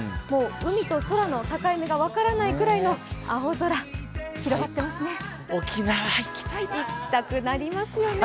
海と空の境目が分からないぐらいの青空、広がってますね。